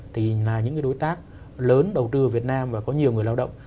thì là những cái đối tác lớn đầu tư ở việt nam và có nhiều người lao động